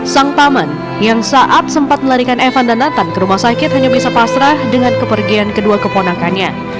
sang paman yang saat sempat melarikan evan dan nathan ke rumah sakit hanya bisa pasrah dengan kepergian kedua keponakannya